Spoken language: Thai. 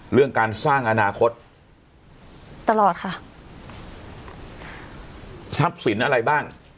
เรื่องการสร้างอนาคตตลอดค่ะทรัพย์สินอะไรบ้าง